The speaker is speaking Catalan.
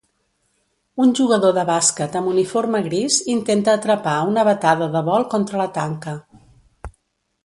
Un jugador de bàsquet amb uniforme gris intenta atrapar una batada de vol contra la tanca.